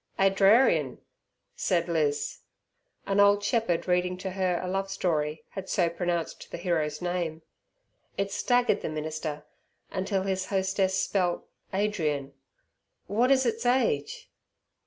"Adrarian," said Liz. An old shepherd reading to her a love story had so pronounced the hero's name. It staggered the minister, until his hostess spelt "Adrian". "What is its age?"